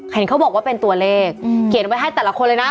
เห็นเขาบอกว่าเป็นตัวเลขเขียนไว้ให้แต่ละคนเลยนะ